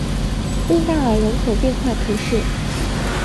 利纳尔人口变化图示